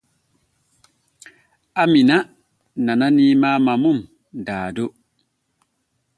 Amiina nananii Maama mum Dado.